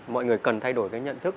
mọi người cần thay đổi cái nhận thức